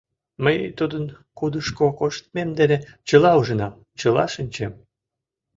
Мый тудын кудышко коштмем дене чыла ужынам, чыла шинчем.